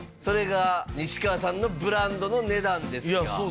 それが西川さんのブランドの値段ですが。